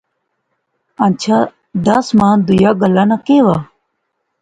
ہنچھا دس ماں دویا گلاہ ناں کہیہ وہا